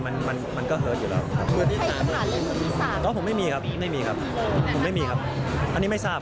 มันก็เหิดอยู่แล้วครับ